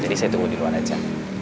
jadi saya tunggu di luar aja